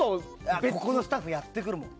ここのスタッフやってくるもん。